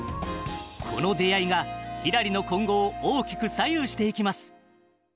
この出会いが、ひらりの今後を大きく左右していきます。